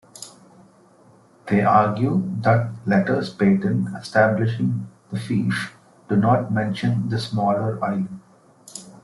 They argue that letters patent establishing the fief do not mention the smaller island.